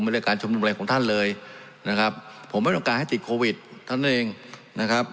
เรื่องการชุมนุมอะไรของท่านเลยนะครับผมไม่ต้องการให้ติดโควิดเท่านั้นเองนะครับ